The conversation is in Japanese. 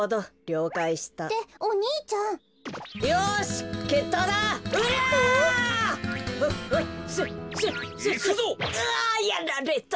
うわやられた。